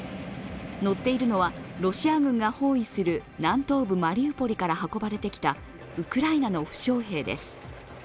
乗っているのはロシア軍が包囲する南東部マリウポリから運ばれてきたウクライナの負傷兵です。